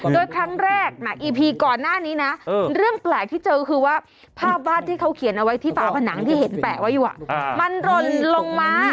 โดยครั้งแรกอีพีก่อนหน้านี้นะเรื่องแปลกที่เจอคือว่าภาพวาดที่เขาเขียนเอาไว้ที่ฝาผนังที่เห็นแปะไว้อยู่มันหล่นลงมา